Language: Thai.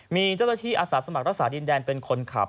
มีเจ้าหน้าที่อาสาสมัครรักษาดินแดนเป็นคนขับ